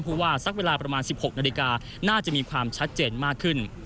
ว่าสักเวลาประมาณ๑๖นาฬิกาน่าจะมีความชัดเจนมากขึ้น